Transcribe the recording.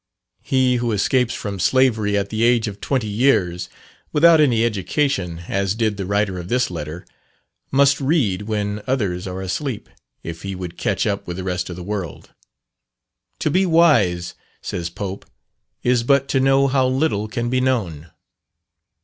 He who escapes from slavery at the age of twenty years, without any education, as did the writer of this letter, must read when others are asleep, if he would catch up with the rest of the world. "To be wise," says Pope, "is but to know how little can be known."